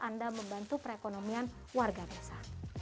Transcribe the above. anda membantu perekonomian warga desa